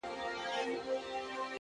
ساقي خراب تراب مي کړه نڅېږم به زه!!